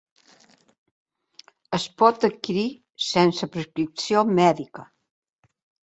Es pot adquirir sense prescripció mèdica.